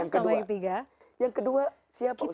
yang kedua siapa ustadz